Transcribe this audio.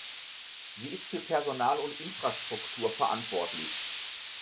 Sie ist für Personal und Infrastruktur verantwortlich.